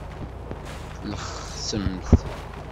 Tlexsemt.